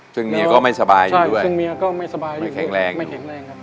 ซึ่งเมียก็ไม่สบายอยู่ด้วยไม่แข็งแรงอยู่ไม่แข็งแรงครับ